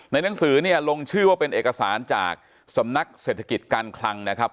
หนังสือเนี่ยลงชื่อว่าเป็นเอกสารจากสำนักเศรษฐกิจการคลังนะครับ